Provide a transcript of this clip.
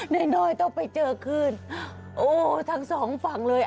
น้อยน้อยต้องไปเจอคืนโอ้ทั้งสองฝั่งเลย